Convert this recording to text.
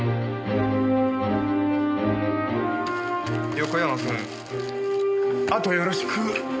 横山君あとよろしくー。